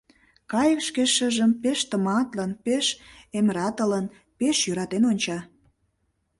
Кайык шке шыжым пеш тыматлын, пеш эмратылын, пеш йӧратен онча.